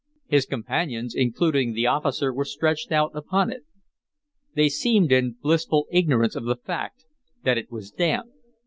His companions, including the officer, were stretched out upon it. They seemed in blissful ignorance of the fact that it was damp.